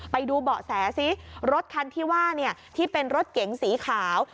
ไปดูเบาะแสซิรถคันที่ว่าที่เป็นรถเก๋งสีขาว